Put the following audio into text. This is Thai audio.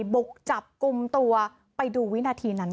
บุกจับกลุ่มตัวไปดูวินาทีนั้นค่ะ